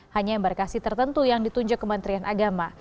hanya embarkasi tertentu yang ditunjuk kementerian agama